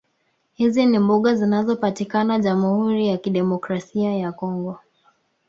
Hizi ni mbuga zinazopatikazna Jamhuri ya Kidemikrasia ya Congo